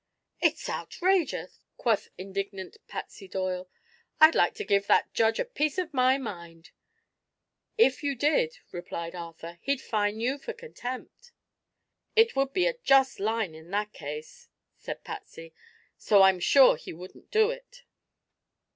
"It's outrageous!" quoth indignant Patsy Doyle. "I'd like to give that judge a piece of my mind." "If you did," replied Arthur, "he'd fine you for contempt." "It would be a just line, in that case," said Patsy; "so I'm sure he wouldn't do it."